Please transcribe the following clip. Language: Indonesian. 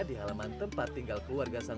di halaman tempat tinggal keluargasan